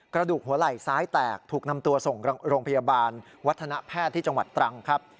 กระดูกหัวไหล่ซ้ายแตกถูกนำตัวส่งโรงพยาบาลวัฒนแพทย์ที่จังหวัดตรังครับ